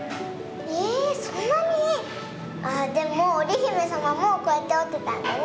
ええっそんなに⁉ああでもおりひめさまもこうやっておってたんだね！